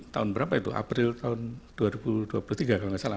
tahun berapa itu april tahun dua ribu dua puluh tiga kalau nggak salah